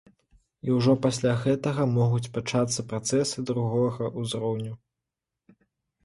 І ўжо пасля гэтага могуць пачацца працэсы другога ўзроўню.